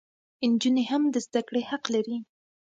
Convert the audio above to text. انجونې هم د زدکړي حق لري